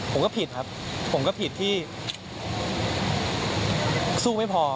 ผมก็ผิดครับผมก็ผิดที่สู้ไม่พอ